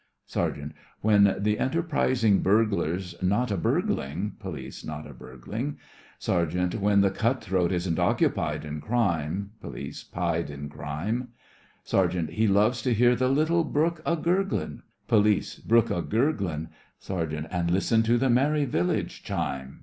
SERGEANT: When the enterprising burglar's not a burgling POLICE: Not a burgling SERGEANT: When the cut throat isn't occupied in crime, POLICE: 'Pied in crime, SERGEANT: He loves to hear the little brook a gurgling POLICE: Brook a gurgling SERGEANT: And listen to the merry village chime.